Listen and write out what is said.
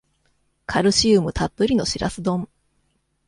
カルシウムたっぷりのシラス丼